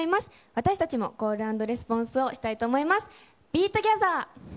私たちもコール＆レスポンスをしたいと思います。